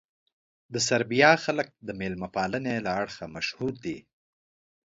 د سربیا خلک د مېلمه پالنې له اړخه مشهور دي.